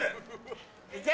いけ！